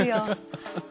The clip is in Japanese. ハハハッ。